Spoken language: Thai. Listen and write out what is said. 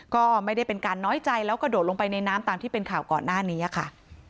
ก็ไม่ได้เป็นการน้อยใจแล้วกระโดดลงไปในน้ำตามที่เป็นข่าวก่อนหน้านี้ค่ะ